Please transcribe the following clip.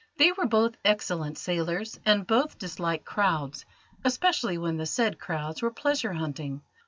They were both excellent sailors, and both disliked crowds, especially when the said crowds were pleasure hunting.